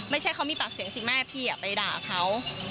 ไม่ใช่เขามีปากเสียงสิแม่พี่ไปด่าเขา